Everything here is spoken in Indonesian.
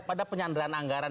pada penyandaran anggaran